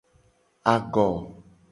Ago.